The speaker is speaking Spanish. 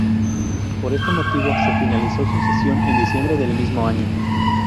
Por este motivo, se finalizó su cesión en diciembre del mismo año.